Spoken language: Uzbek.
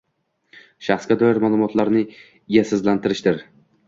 shaxsga doir ma’lumotlarni egasizlantirishdir.